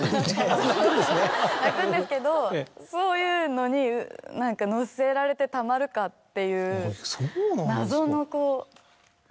そう泣くんですけどそういうのに何か乗せられてたまるかっていう。